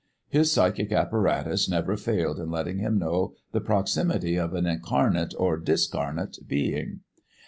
His psychic apparatus never failed in letting him know the proximity of an incarnate or discarnate being.